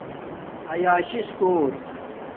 ایاشس کوٹ